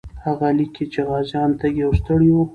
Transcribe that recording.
هغه لیکي چې غازیان تږي او ستړي وو.